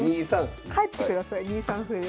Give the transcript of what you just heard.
帰ってください２三歩で。